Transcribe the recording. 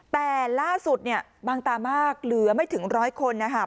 แต่ล่าสุดบางตามากเหลือไม่ถึง๑๐๐คนนะครับ